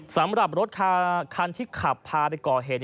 สำหรับรถคันที่ขับพาไปก่อเหตุ